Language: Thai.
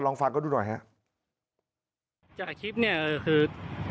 ลองฟังเขาดูหน่อยฮะจากคลิปเนี้ยเออคือ